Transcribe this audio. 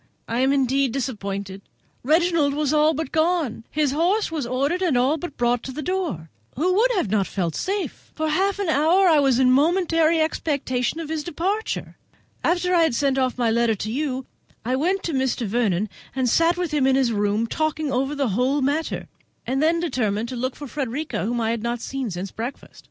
I am indeed disappointed; Reginald was all but gone, his horse was ordered and all but brought to the door; who would not have felt safe? For half an hour I was in momentary expectation of his departure. After I had sent off my letter to you, I went to Mr. Vernon, and sat with him in his room talking over the whole matter, and then determined to look for Frederica, whom I had not seen since breakfast.